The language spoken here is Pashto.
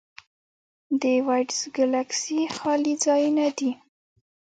د وایډز ګلکسي خالي ځایونه دي.